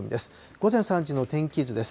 午前３時の天気図です。